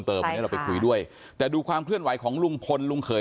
คุณแม่น้องชมพู่พูดให้เราไปคุยด้วยแต่ดูความเคลื่อนไหวของลุงพลลุงเขย